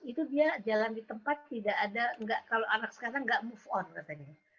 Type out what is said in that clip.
itu dia jalan di tempat tidak ada kalau anak sekarang nggak move on katanya